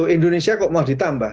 indonesia kok mau ditambah